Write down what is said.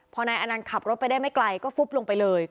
พอนายอนันต์ขับรถไปได้ไม่ไกลก็ฟุบลงไปเลย